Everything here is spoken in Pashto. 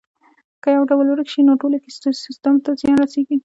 که یو ډول ورک شي نو ټول ایکوسیستم ته زیان رسیږي